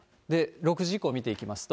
６時以降見ていきますと。